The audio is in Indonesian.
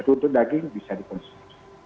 untuk daging bisa dikonsumsi